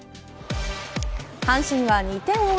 阪神は２点を追う